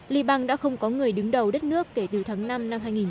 liên bang đã không có người đứng đầu đất nước kể từ tháng năm năm hai nghìn một mươi bốn